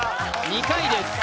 ２回です